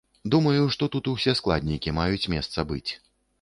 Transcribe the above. Думаю, што тут ўсе складнікі маюць месца быць.